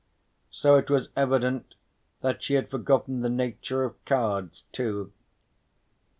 So it was evident that she had forgotten the nature of cards too.